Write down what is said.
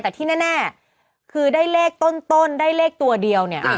แต่ที่แน่คือได้เลขต้นได้เลขตัวเดียวเนี่ย